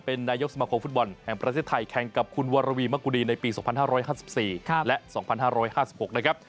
เป็นในยกสมัครผู้ฟุตบอลแห่งประเศษไทยแค่งกับคุณวรุมคุณมกุฎิในปี๒๕๕๔และ๒๕๕๖นะครับ